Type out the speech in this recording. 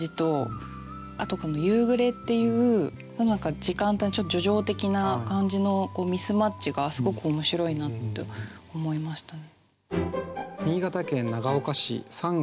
あとこの「夕暮れ」っていう時間帯のちょっと叙情的な感じのミスマッチがすごく面白いなと思いましたね。